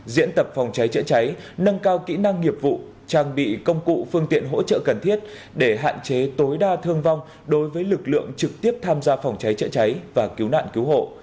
diễn tập phòng cháy chữa cháy nâng cao kỹ năng nghiệp vụ trang bị công cụ phương tiện hỗ trợ cần thiết để hạn chế tối đa thương vong đối với lực lượng trực tiếp tham gia phòng cháy chữa cháy và cứu nạn cứu hộ